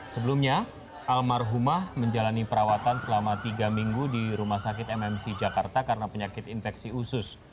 sebelumnya almarhumah menjalani perawatan selama tiga minggu di rumah sakit mmc jakarta karena penyakit infeksi usus